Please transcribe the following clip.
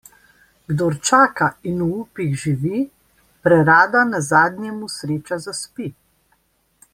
Kdor čaka in v upih živi, prerada nazadnje mu sreča zaspi.